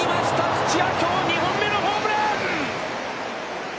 土屋、きょう２本目のホームラン！